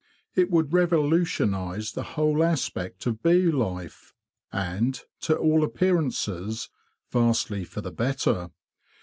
It would revolutionise the whole aspect of bee life, and, to all appearances, vastly for the better.